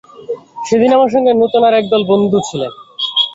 সেদিন আমার সঙ্গে নূতন আর একদল বন্ধু ছিলেন।